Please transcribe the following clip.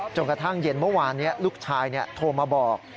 กระทั่งเย็นเมื่อวานนี้ลูกชายโทรมาบอก